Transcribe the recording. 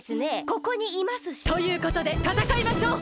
ここにいますし。ということでたたかいましょう！